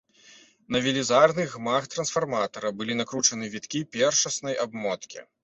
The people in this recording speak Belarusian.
На велізарны гмах трансфарматара былі накручаны віткі першаснай абмоткі.